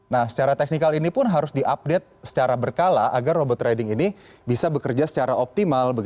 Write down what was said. nah secara teknikal ini pun harus diupdate secara berkala agar robot trading ini bisa bekerja secara optimal